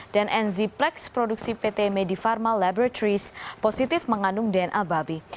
dan enziplex produksi pt medifarma laboratories positif mengandung dna babi